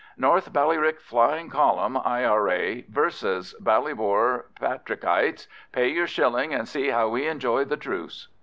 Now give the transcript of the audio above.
NORTH BALLYRICK FLYING COLUMN, I.R.A. v. BALLYBOR PATRICKITES. PAY YOUR SHILLING AND SEE HOW WE ENJOY THE TRUCE.